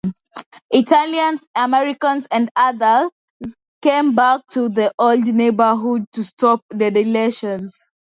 Italian-Americans and other came back to the "old neighborhood" to shop for delicatessen.